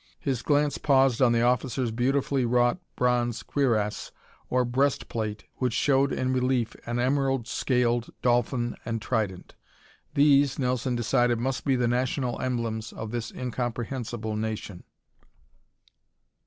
His glance paused on the officer's beautifully wrought bronze cuirasse or breast plate which showed in relief an emerald scaled dolphin and trident. These, Nelson decided, must be the national emblems of this incomprehensible nation.